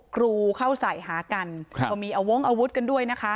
กรูเข้าใส่หากันก็มีอาวงอาวุธกันด้วยนะคะ